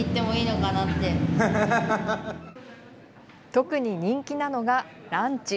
特に人気なのがランチ。